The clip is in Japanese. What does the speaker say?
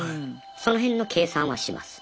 その辺の計算はします。